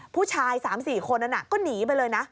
ผู้ชาย๓๔คนนั้นก็หนีไปเลยนะ